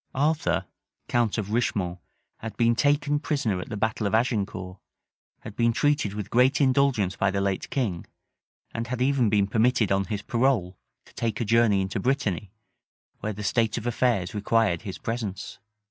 Arthur, count of Richemont, had been taken prisoner at the battle of Azincour, had been treated with great indulgence by the late king, and had even been permitted on his parole to take a journey into Brittany, where the state of affairs required his presence.